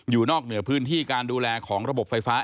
อยู่นอกเหนือพื้นที่การดูแลของระบบไฟฟ้า